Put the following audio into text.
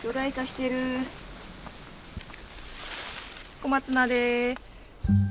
小松菜です。